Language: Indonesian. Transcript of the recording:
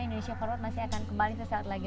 indonesia forward masih akan kembali sesaat lagi